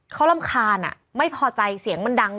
เขารำคาญไม่พอใจเสียงมันดัง